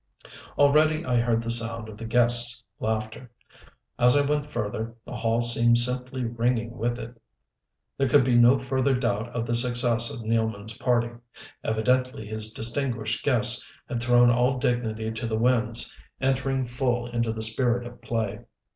Already I heard the sound of the guests' laughter. As I went further the hall seemed simply ringing with it. There could be no further doubt of the success of Nealman's party. Evidently his distinguished guests had thrown all dignity to the winds, entering full into the spirit of play.